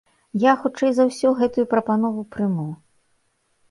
Я хутчэй за ўсё гэтую прапанову прыму.